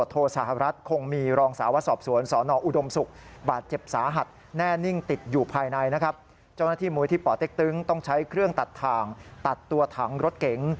ต่อเต็กตึ๊งต้องใช้เครื่องตัดทางตัดตัวถังรถเก๋ง